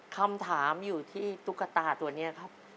คำถามอยู่ที่ตุ๊กตาตัวนี้ครับ